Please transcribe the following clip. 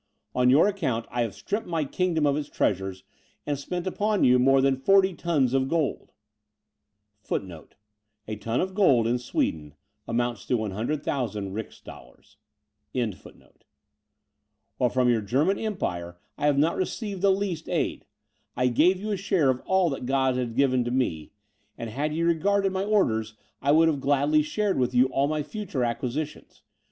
On your account I have stripped my own kingdom of its treasures, and spent upon you more than 40 tons of gold; [A ton of gold in Sweden amounts to 100,000 rix dollars.] while from your German empire I have not received the least aid. I gave you a share of all that God had given to me; and had ye regarded my orders, I would have gladly shared with you all my future acquisitions.